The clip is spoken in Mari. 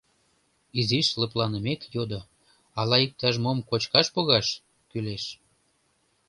Изиш лыпланымек, йодо: «Ала иктаж-мом кочкаш погаш?» «Кӱлеш.